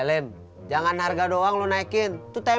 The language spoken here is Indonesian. tidak ada yang ngajakin gue